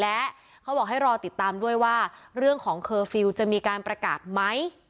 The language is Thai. และเขาบอกให้รอติดตามด้วยว่าเรื่องของเคอร์ฟิลล์จะมีการประกาศไหม